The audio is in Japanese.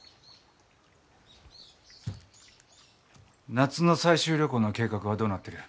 夏の採集旅行の計画はどうなってる？